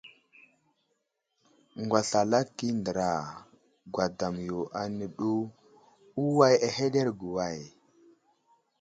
Ŋgwaslalaki andra gwadam yo áne ɗu, uway ahelerge way ?